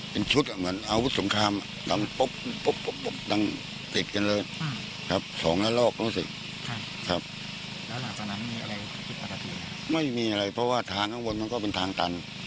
เพราะว่าทางข้างบนมันก็เป็นทางตัน